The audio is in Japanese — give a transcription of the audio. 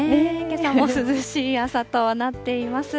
けさも涼しい朝となっています。